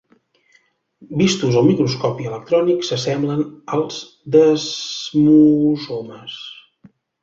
Vistos al microscopi electrònic s'assemblen als desmosomes.